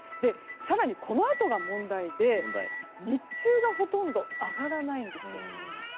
更に、このあとが問題で日中がほとんど上がらないんですよ。